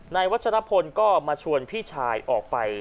วัชรพลก็มาชวนพี่ชายออกไป